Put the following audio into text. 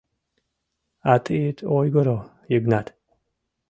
— А тый ит ойгыро, Йыгнат...